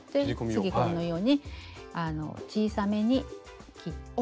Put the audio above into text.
次このように小さめに切ります。